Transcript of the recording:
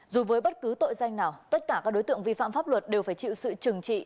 dù với bất cứ tội danh nào tất cả các đối tượng vi phạm pháp luật đều phải chịu sự trừng trị